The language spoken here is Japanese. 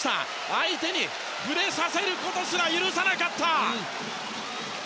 相手に触れさせることすら許さなかった！